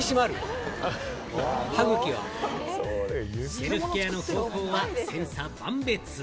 セルフケアの方法は千差万別。